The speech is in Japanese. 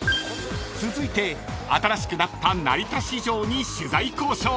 ［続いて新しくなった成田市場に取材交渉］